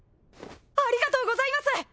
ありがとうございます！